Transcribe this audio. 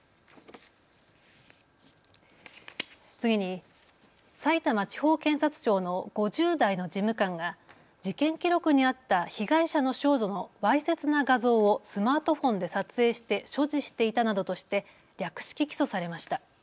次に、さいたま地方検察庁の５０代の事務官が事件記録にあった被害者の少女のわいせつな画像をスマートフォンで撮影して所持していたなどとして略式起訴されました。